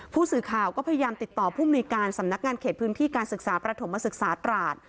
ผู้สื่อข่าวก็พยายามติดต่อผู้มนุยการสำนักงานเขตพื้นที่การศึกษาประถมศึกษาตราด